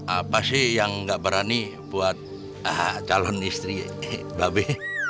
apa sih yang nggak berani buat calon istri babi